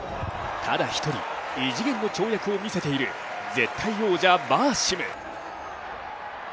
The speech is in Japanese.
ただ一人、異次元の跳躍を見せている絶対王者バーシム。